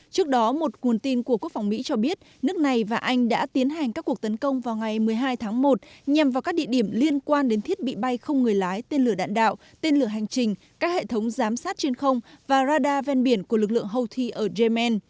trước đó một nguồn tin của quốc phòng mỹ cho biết nước này và anh đã tiến hành các cuộc tấn công vào ngày một mươi hai tháng một nhằm vào các địa điểm liên quan đến thiết bị bay không người lái tên lửa đạn đạo tên lửa hành trình các hệ thống giám sát trên không và radar ven biển của lực lượng houthi ở yemen